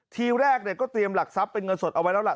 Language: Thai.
ทีแรกก็เตรียมหลักทรัพย์เป็นเงินสดเอาไว้แล้วล่ะ